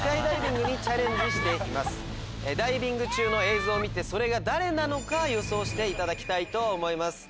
ダイビング中の映像を見てそれが誰なのか予想していただきたいと思います。